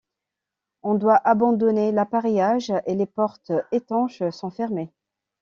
On doit abandonner l'appareillage et les portes étanches sont fermées.